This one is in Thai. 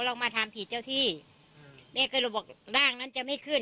เรามาทำผิดเจ้าที่แม่ก็เลยบอกร่างนั้นจะไม่ขึ้น